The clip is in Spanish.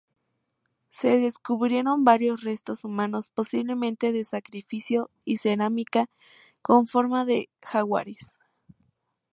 Se descubrieron varios restos humanos, posiblemente de sacrificio, y cerámica con forma de jaguares.